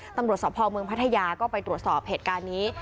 ตำรวจสภเมืองพัทยาก็ไปตรวจสอบเหตุการณ์นี้